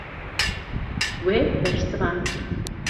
Wê bersivand.